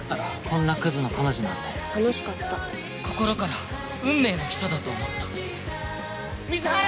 こんなクズの彼女なんて楽しかった心から運命の人だと思った水原！